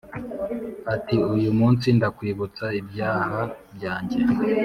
Ati uyu munsi ndakwibutsa ibyaha byanjye